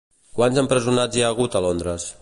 Quants empresonats hi ha hagut a Londres?